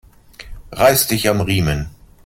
Reiß dich am Riemen!